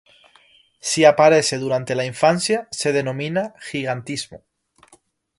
Si aparece durante la infancia, se denomina gigantismo.